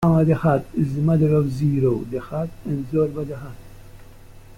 Mama the Hutt is the mother of Ziro the Hutt and Zorba the Hutt.